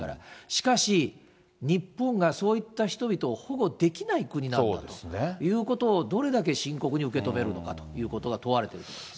しかし、日本がそういった人々を保護できない国なんだということをどれだけ深刻に受け止めるのかということが問われていると思います。